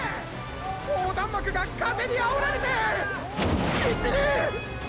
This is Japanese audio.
横断幕が風にあおられて道に！！